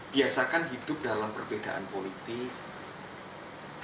biasakan hidup dalam perbedaan politik